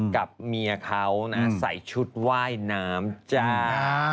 กับเมียเขานะใส่ชุดว่ายน้ำจ้า